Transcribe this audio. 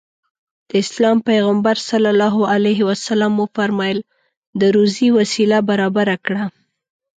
د اسلام پيغمبر ص وفرمايل د روزي وسيله برابره کړه.